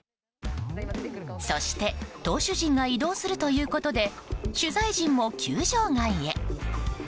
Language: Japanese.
そして投手陣が移動するということで取材陣も球場外へ。